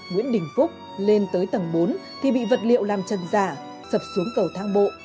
nguyễn đình phúc lên tới tầng bốn thì bị vật liệu làm chân giả sập xuống cầu thang bộ